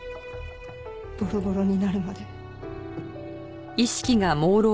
ボロボロになるまで。